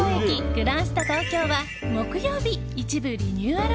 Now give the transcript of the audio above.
グランスタ東京は木曜日一部リニューアル